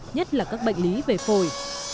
nhất là các bệnh lý về phồi